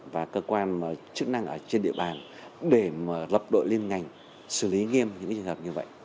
và cơ quan chức năng ở trên địa bàn để lập đội liên ngành xử lý nghiêm những trường hợp như vậy